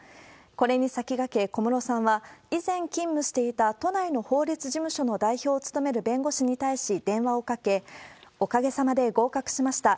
これに先駆け、小室さんは、以前勤務していた都内の法律事務所の代表を務める弁護士に対し電話をかけ、おかげさまで合格しました。